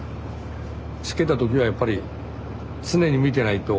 しけた時はやっぱり常に見てないと。